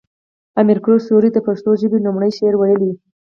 امیر کروړ سوري د پښتو ژبې لومړنی شعر ويلی